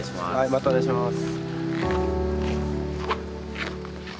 またお願いします。